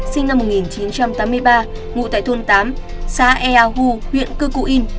sinh năm một nghìn chín trăm tám mươi ba ngụ tại thôn tám xã ea hu huyện cư cù yên